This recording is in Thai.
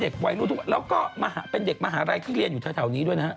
ของอะไรคะนั่นโดน